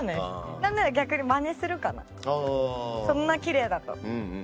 なんなら逆にまねするかなそんなキレイだと。